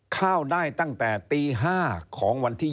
ข้าวได้ตั้งแต่ตี๕ของวันที่๒